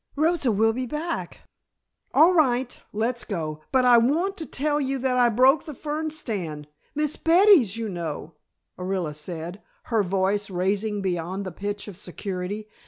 Rosa will be back " "All right. Let's go. But I want to tell you that I broke the fern stand Mrs. Betty's, you know," Orilla said, her voice raising beyond the pitch of security.